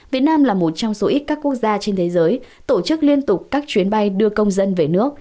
việt nam là một trong số ít các quốc gia trên thế giới tổ chức liên tục các chuyến bay đưa công dân về nước